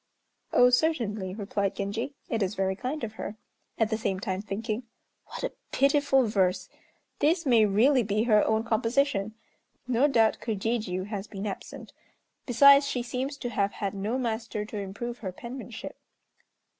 "Oh, certainly," replied Genji. "It is very kind of her," at the same time thinking, "What a pitiful verse! This may really be her own composition. No doubt Kojijiû has been absent, besides she seems to have had no master to improve her penmanship.